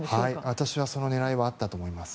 私はその狙いはあったと思います。